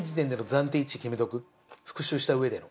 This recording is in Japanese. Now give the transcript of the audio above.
復習した上での。